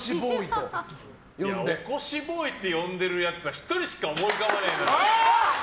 起こしボーイって呼んでるやつは１人しか思い浮かばねえな！